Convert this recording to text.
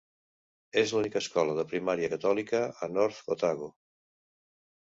És l'única escola de primària catòlica a North Otago.